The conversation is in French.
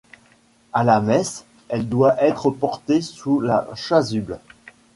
À la messe, elle doit être portée sous la chasuble.